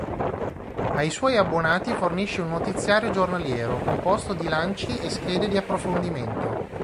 Ai suoi abbonati fornisce un notiziario giornaliero, composto di lanci e schede di approfondimento.